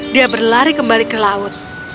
dia berlari kembali ke laut